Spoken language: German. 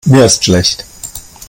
Mir ist schlecht.